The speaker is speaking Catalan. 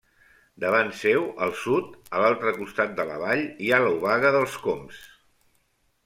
Davant seu, al sud, a l'altre costat de la vall hi ha l'Obaga dels Cóms.